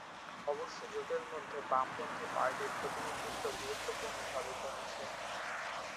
অবশ্য, জোটের মধ্যে বামপন্থী পার্টির প্রতিনিধিত্ব গুরুত্বপূর্ণভাবে কমেছে।